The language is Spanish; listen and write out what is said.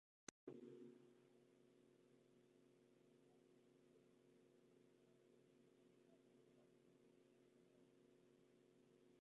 Sin embargo, intentos posteriores para reproducir esta observación han fallado.